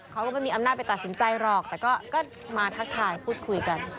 เขาก็ไม่มีอำนาจไปตัดสินใจหรอกแต่ก็มาทักทายพูดคุยกัน